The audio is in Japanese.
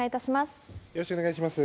よろしくお願いします。